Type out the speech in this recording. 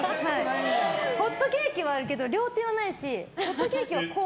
ホットケーキはあるけど両手はないしホットケーキは、こう。